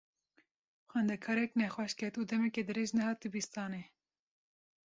Xwendekarek nexweş ket û demeke dirêj nehat dibistanê.